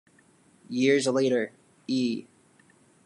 Years later, E!